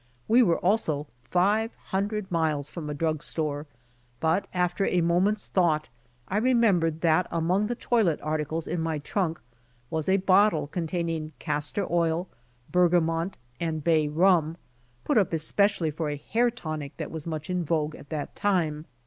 We were also five hundred miles from a drug store, but after a moment's thought, I remembered that among the toilet articles in my trunk was a bottle containing BAY RUM, BEBGAMONT AND CASTOR OIL 45 castor oil, bergamont, and bay rum, put up specially for a hair tonic that was much in vogue at that time.